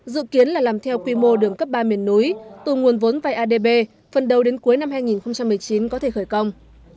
dự kiến là làm theo quy mô đường cấp ba miền núi từ nguồn vốn vài adb phần đầu đến cuối năm hai nghìn một mươi chín có thể khởi công